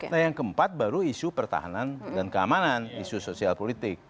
nah yang keempat baru isu pertahanan dan keamanan isu sosial politik